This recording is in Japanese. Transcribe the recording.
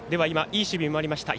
いい守備もありました